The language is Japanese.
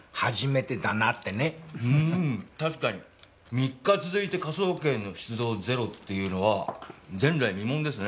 ３日続いて科捜研の出動ゼロっていうのは前代未聞ですね。